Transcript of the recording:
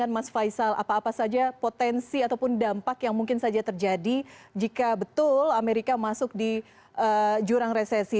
mas faisal apa apa saja potensi ataupun dampak yang mungkin saja terjadi jika betul amerika masuk di jurang resesi